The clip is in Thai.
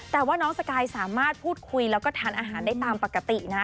แต่ว่าน้องสกายสามารถพูดคุยแล้วก็ทานอาหารได้ตามปกตินะ